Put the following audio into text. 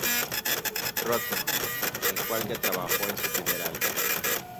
Rotem, con el cual ya trabajó en su primer álbum.